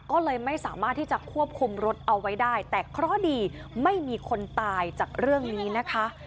ก็เลยไม่สามารถที่จะควบคุมรถเอาไว้ได้แต่เคราะห์ดีไม่มีคนตายจากเรื่องนี้นะคะ